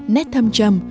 nét thâm trầm